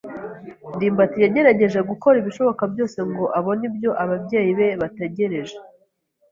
ndimbati yagerageje gukora ibishoboka byose ngo abone ibyo ababyeyi be bategereje.